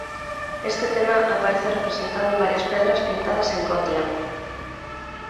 Este tema aparece representado en varias pedras pintadas en Gotland.